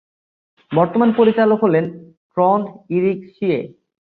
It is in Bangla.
বর্তমান পরিচালক হলেন ট্রন্ড ইরিক সিয়ে।